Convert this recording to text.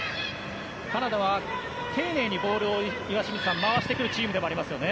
カナダは丁寧に、岩清水さんボールを回してくるチームでもありますよね。